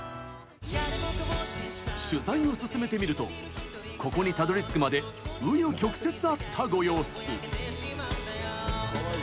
取材を進めてみるとここにたどり着くまでう余曲折あったご様子。